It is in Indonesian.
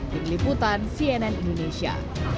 dikliputan cnn indonesia